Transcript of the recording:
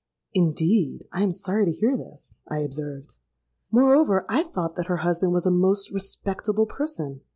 '—'Indeed! I am sorry to hear this,' I observed. 'Moreover, I thought that her husband was a most respectable person.'